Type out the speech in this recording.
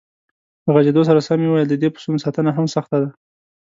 له غځېدو سره سم یې وویل: د دې پسونو ساتنه هم سخته ده.